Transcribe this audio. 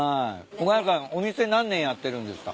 お母さんお店何年やってるんですか？